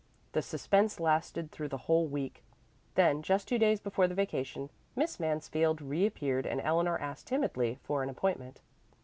The suspense lasted through the whole week. Then, just two days before the vacation, Miss Mansfield reappeared and Eleanor asked timidly for an appointment.